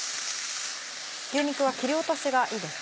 牛肉は切り落としがいいですか？